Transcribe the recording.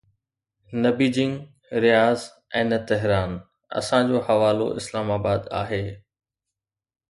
نه Beijing Riyadh ۽ نه Tehran, اسان جو حوالو اسلام آباد آهي.